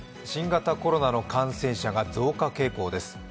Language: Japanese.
新型コロナの感染者が増加傾向です。